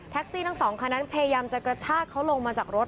ซี่ทั้งสองคันนั้นพยายามจะกระชากเขาลงมาจากรถ